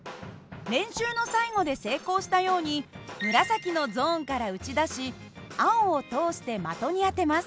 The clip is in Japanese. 練習の最後で成功したように紫のゾーンから撃ち出し青を通して的に当てます。